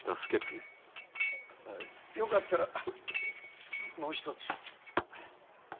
よかったらもう一つ。